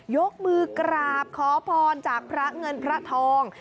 ยกมือกราบขอพรจากพระเงินพระทอง